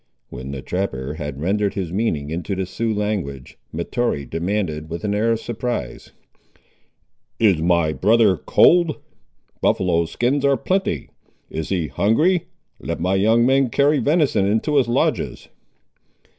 When the trapper had rendered his meaning into the Sioux language, Mahtoree demanded, with an air of surprise— "Is my brother cold? buffaloe skins are plenty. Is he hungry? Let my young men carry venison into his lodges."